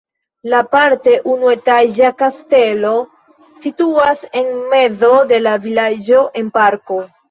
La parte unuetaĝa kastelo situas en mezo de la vilaĝo en parko.